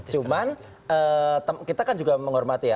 cuman kita kan juga menghormati ya